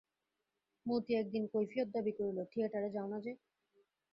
মতি একদিন কৈফিয়ত দাবি করিল, থিয়েটারে যাও না যে!